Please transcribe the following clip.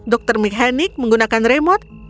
dr mchenick menggunakan remote